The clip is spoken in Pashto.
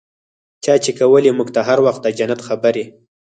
چا چې کولې موږ ته هر وخت د جنت خبرې.